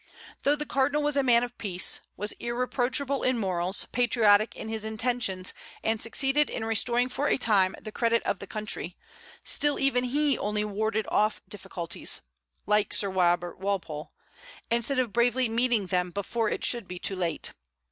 Though the cardinal was a man of peace, was irreproachable in morals, patriotic in his intentions, and succeeded in restoring for a time the credit of the country, still even he only warded off difficulties, like Sir Robert Walpole, instead of bravely meeting them before it should be too late.